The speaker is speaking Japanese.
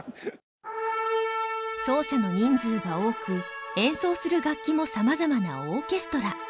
奏者の人数が多く演奏する楽器もさまざまなオーケストラ。